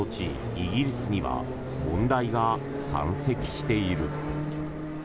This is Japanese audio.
イギリスには問題が山積している。